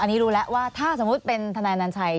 อันนี้รู้แล้วว่าถ้าสมมุติเป็นทนายนัญชัย